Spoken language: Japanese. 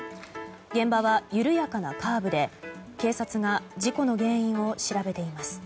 現場は緩やかなカーブで、警察が事故の原因を調べています。